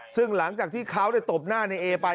ซึ่งหลังจากที่เขาตบหน้าในเอไป